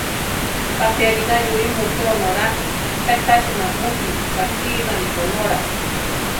¿Jápi alí nayúi mujé onóla, pe tasi namuti bajínari ronóla?